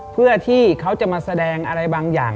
เพื่อที่เขาจะมาแสดงอะไรบางอย่าง